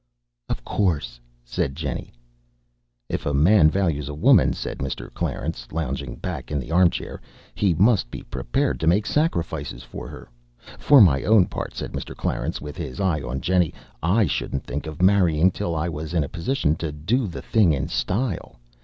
"Of course," said Jennie. "If a man values a woman," said Mr. Clarence, lounging back in the arm chair, "he must be prepared to make sacrifices for her. For my own part," said Mr. Clarence, with his eye on Jennie, "I shouldn't think of marrying till I was in a position to do the thing in style.